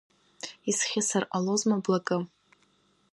Исхьысыр ҟалозма блакы…